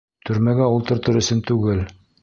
Төрмәгә ултыртыр өсөн түгел...